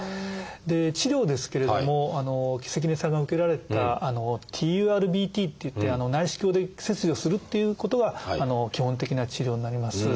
で治療ですけれども関根さんが受けられた「ＴＵＲＢＴ」っていって内視鏡で切除するっていうことが基本的な治療になります。